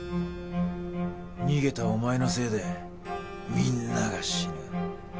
逃げたお前のせいでみんなが死ぬ。